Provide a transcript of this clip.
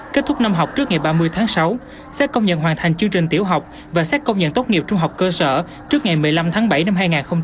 kết thúc năm học trước ngày ba mươi tháng sáu xét công nhận hoàn thành chương trình tiểu học và xét công nhận tốt nghiệp trung học cơ sở trước ngày một mươi năm tháng bảy năm hai nghìn hai mươi